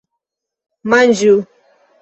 Manĝu!